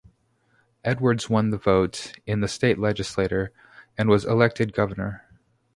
Edwards won the vote in the state legislature and was elected governor.